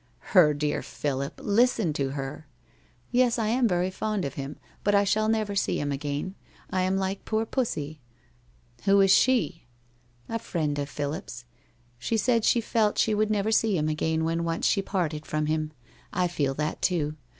' Her dear Philip ! Listen to her !'' Yes, I am very fond of him, but I shall never see him again. I am like poor Pussy '' Who is she ?' 1 A friend of Philip's. She said she felt she would never see him again when once she parted from him. I feel that, too.